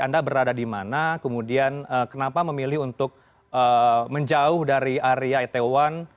anda berada di mana kemudian kenapa memilih untuk menjauh dari area itaewon